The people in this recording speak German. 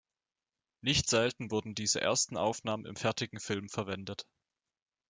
Nicht selten wurden diese ersten Aufnahmen im fertigen Film verwendet.